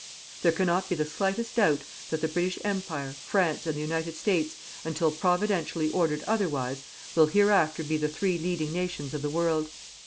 There cannot be the slightest doubt that the British Empire, France and the United States, until Providentially ordered otherwise, will hereafter be the three leading nations of the world.